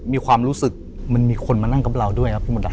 มีความรู้สึกมันมีคนมานั่งกับเราด้วยครับพี่มดดำ